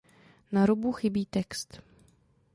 Na rubu chybí text.